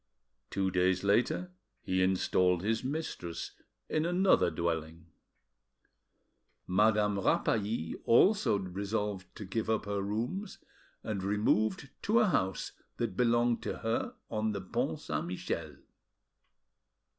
Two days later he installed his mistress in another dwelling.... Madame Rapally also resolved to give up her rooms, and removed to a house that belonged to her, on the Pont Saint Michel.